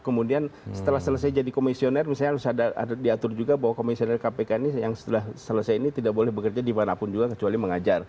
kemudian setelah selesai jadi komisioner misalnya harus diatur juga bahwa komisioner kpk ini yang setelah selesai ini tidak boleh bekerja dimanapun juga kecuali mengajar